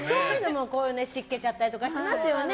しけちゃったりとかしますよね。